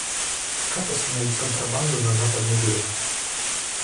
А как остановить контрабанду на Западный берег?